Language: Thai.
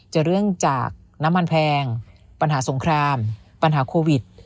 เรื่องจากน้ำมันแพงปัญหาสงครามปัญหาโควิด